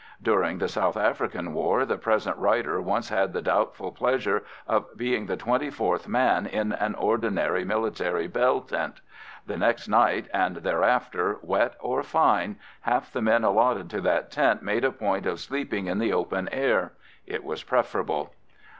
During the South African war the present writer once had the doubtful pleasure of being the twenty fourth man in an ordinary military bell tent. The next night and thereafter, wet or fine, half the men allotted to that tent made a point of sleeping in the open air. It was preferable.